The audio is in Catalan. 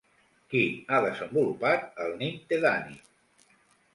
Qui ha desenvolupat el Nintedanib?